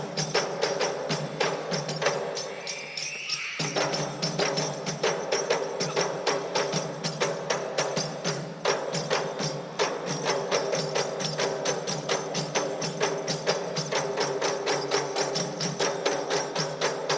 sampai jumpa di jiexpo kemayoran